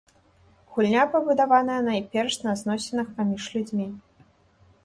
Гульня пабудаваная найперш на зносінах паміж людзьмі.